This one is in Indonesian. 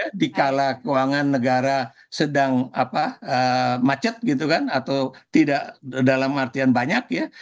karena dikala keuangan negara sedang macet gitu kan atau tidak dalam artian banyak ya